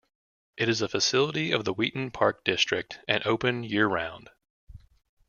It is a facility of the Wheaton Park District and open year round.